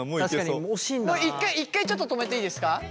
１回１回ちょっと止めていいですか。